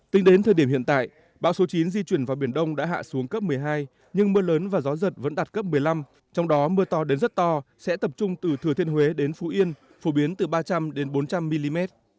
tính đến thời điểm hiện tại bão số chín di chuyển vào biển đông đã hạ xuống cấp một mươi hai nhưng mưa lớn và gió giật vẫn đạt cấp một mươi năm trong đó mưa to đến rất to sẽ tập trung từ thừa thiên huế đến phú yên phổ biến từ ba trăm linh bốn trăm linh mm